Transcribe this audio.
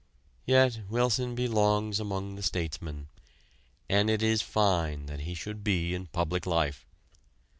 Yet Wilson belongs among the statesmen, and it is fine that he should be in public life.